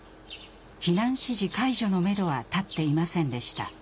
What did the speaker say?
避難指示解除のめどは立っていませんでした。